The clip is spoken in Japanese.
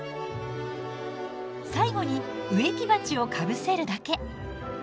最後に植木鉢をかぶせるだけ。